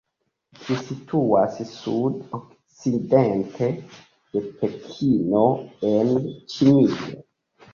Ĝi situas sud-okcidente de Pekino en Ĉinio.